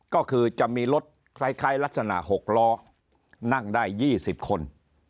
ก็คือจะมีรถคล้ายลักษณะ๖ล้อนั่งได้๒๐คน